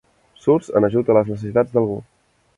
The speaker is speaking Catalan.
Surts en ajut a les necessitats d'algú.